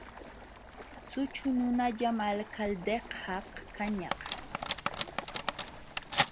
Sućhu nunallam Alcaldekaq kañaq.